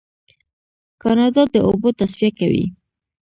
کاناډا د اوبو تصفیه کوي.